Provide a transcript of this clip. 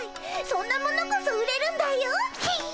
そんなものこそ売れるんだよっ。